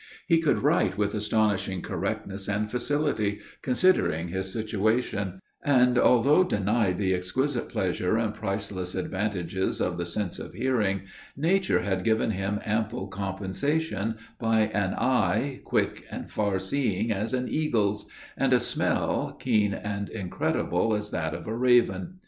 He could write with astonishing correctness and facility, considering his situation; and, although denied the exquisite pleasure and priceless advantages of the sense of hearing, nature had given him ample compensation, by an eye, quick and far seeing as an eagle's; and a smell, keen and incredible as that of a raven.